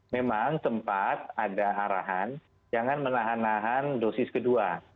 memang sempat ada arahan jangan menahan nahan dosis kedua